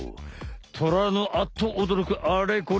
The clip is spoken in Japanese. トラのアッとおどろくあれこれ